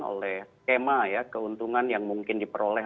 oleh skema ya keuntungan yang mungkin diperoleh